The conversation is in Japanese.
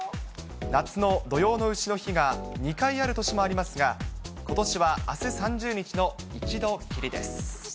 夏の土用のうしの日が２回ある年もありますが、ことしはあす３０日の一度きりです。